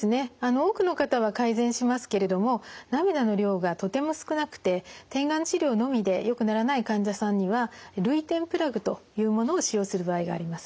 多くの方は改善しますけれども涙の量がとても少なくて点眼治療のみでよくならない患者さんには涙点プラグというものを使用する場合があります。